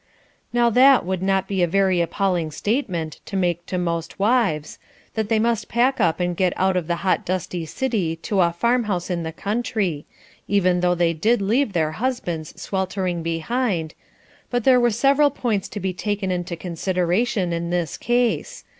Now that would not be a very appalling statement to make to most wives, that they must pack up and get out of the hot dusty city to a farmhouse in the country, even though they did leave their husbands sweltering behind, but there were several points to be taken into consideration in this case.